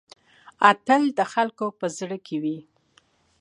اتل د خلکو په زړه کې وي